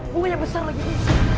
bunga yang besar lagi ini